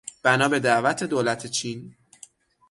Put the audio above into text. بنا به دعوت دولت چین